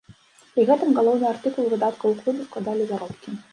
Пры гэтым галоўны артыкул выдаткаў у клубе складалі заробкі.